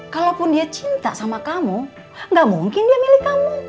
kalaupun dia cinta sama kamu gak mungkin dia milik kamu